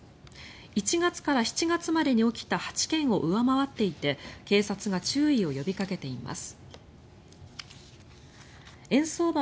１月から７月までに起きた８件を上回っていて警察が注意を呼びかけています。